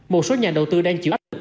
một số nhà đầu tư đang chịu áp lực